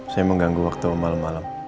saya mengganggu waktu malam malam